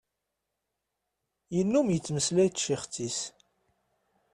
Yennum yettmeslay d tcixet-is.